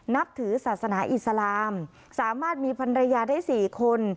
นับถือศาสนาอิสลามสามารถมีพันรยาได้๔คน